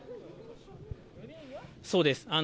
そうです。